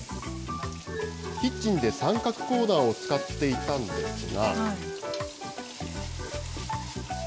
キッチンで三角コーナーを使っていたんですが。